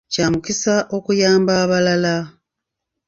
Kya mukisa okuyamba abalala.